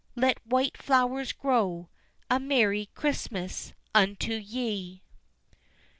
Lete white flowers growe, A Merrie Christmasse untoe ye!